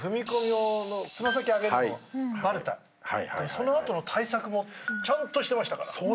その後の対策もちゃんとしてましたから。